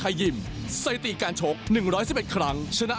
อ่าวันนี้มีอะไรมาฝากเขาบ้างอ่ะ